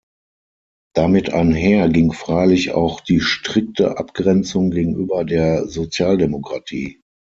Damit einher ging freilich auch die strikte Abgrenzung gegenüber der Sozialdemokratie.